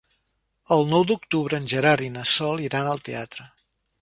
El nou d'octubre en Gerard i na Sol iran al teatre.